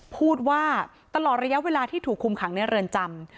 พูดว่าตลอดระยะเวลาที่ถูกคุมขังในเรือนจำ